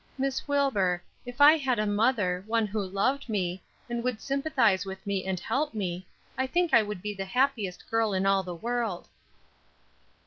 "Miss Wilbur, if I had a mother, one who loved me, and would sympathize with me and help me, I think I would be the happiest girl in all the world."